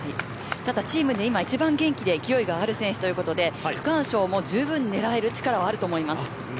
チームで今、一番元気で勢いがある選手ということで区間賞もじゅうぶん狙える力があると思います。